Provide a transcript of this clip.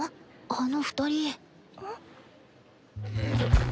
あの２人。